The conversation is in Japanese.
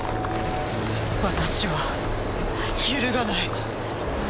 私は揺るがない！